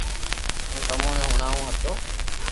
ھون تمو ني ھڻاوتو ھتو